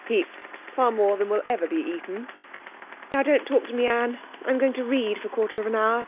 'Heaps. Far more than will ever be eaten.' 'Now, don't talk to me, Anne. I'm going to read for a quarter of an hour.'